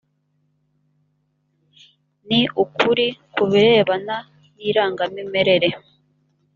ni ukuri ku birebana nirangamimerere.